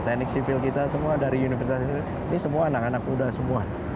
teknik sipil kita semua dari universitas ini semua anak anak muda semua